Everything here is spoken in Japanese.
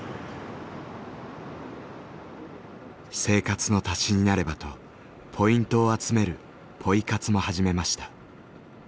生活の足しになればとポイントを集める「ポイ活」も始めました。